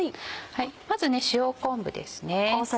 まず塩昆布です。